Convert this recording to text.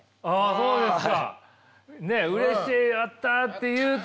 そうですか。